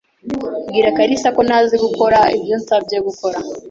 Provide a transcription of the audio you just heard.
Bwira kalisa ko ntazi gukora ibyo yansabye gukora.